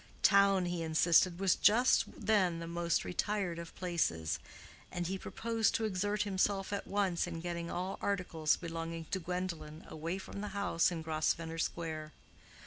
Town, he insisted, was just then the most retired of places; and he proposed to exert himself at once in getting all articles belonging to Gwendolen away from the house in Grosvenor Square.